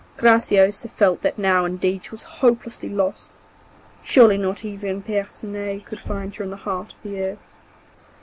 Graciosa felt that now indeed she was hopelessly lost, surely not even Percinet could find her in the heart of the earth.